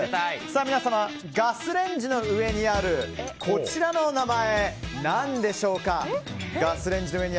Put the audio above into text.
皆様、ガスレンジの上にあるこちらの名前、何でしょうか？